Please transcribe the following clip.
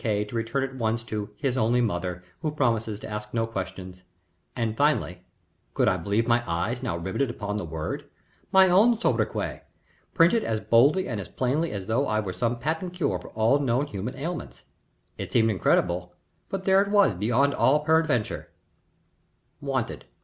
K. to return at once to "His Only Mother," who promises to ask no questions; and finally could I believe my eyes now riveted upon the word? my own sobriquet, printed as boldly and as plainly as though I were some patent cure for all known human ailments. It seemed incredible, but there it was beyond all peradventure: "WANTED.